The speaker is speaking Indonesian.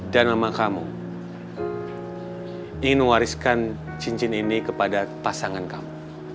dan mama kamu ingin mewariskan cincin ini kepada pasangan kamu